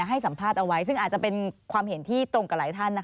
ให้สัมภาษณ์เอาไว้ซึ่งอาจจะเป็นความเห็นที่ตรงกับหลายท่าน